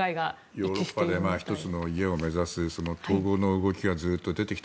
ヨーロッパで１つの家を目指す統合の動きがずっと出てきた。